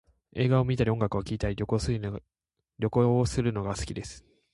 映画を観たり音楽を聴いたり、旅行をするのが好きです